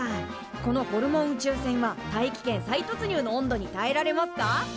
このホルモン宇宙船は大気圏再突入の温度にたえられますか？